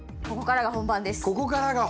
ここからが本番！